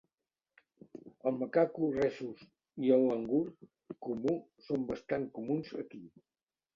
El macaco rhesus i el langur comú són bastant comuns aquí.